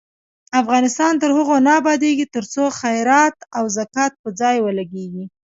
افغانستان تر هغو نه ابادیږي، ترڅو خیرات او زکات په ځای ولګیږي.